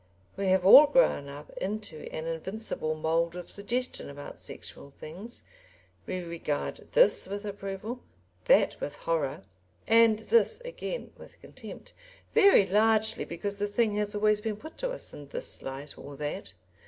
We have all grown up into an invincible mould of suggestion about sexual things; we regard this with approval, that with horror, and this again with contempt, very largely because the thing has always been put to us in this light or that.